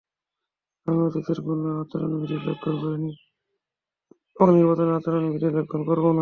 আমি অতীতে কোনো আচরণবিধি লঙ্ঘন করিনি এবং নির্বাচনে আচরণবিধি লঙ্ঘন করব না।